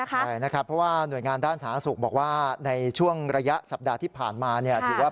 เพราะว่าหน่วยงานด้านสหสมศุกร์บอกว่า